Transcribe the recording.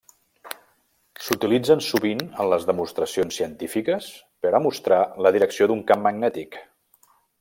S'utilitzen sovint en les demostracions científiques per a mostrar la direcció d'un camp magnètic.